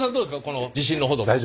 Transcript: この自信のほど。